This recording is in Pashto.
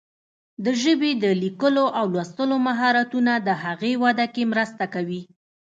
د ژبې د لیکلو او لوستلو مهارتونه د هغې وده کې مرسته کوي.